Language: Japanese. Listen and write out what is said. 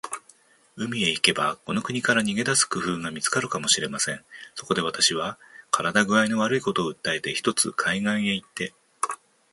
海へ行けば、この国から逃げ出す工夫が見つかるかもしれません。そこで、私は身体工合の悪いことを訴えて、ひとつ海岸へ行って